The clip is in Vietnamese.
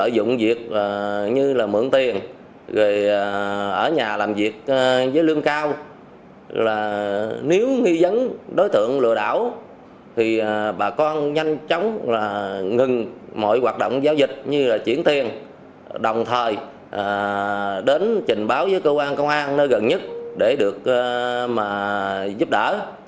đến trình báo với cơ quan công an nơi gần nhất để được giúp đỡ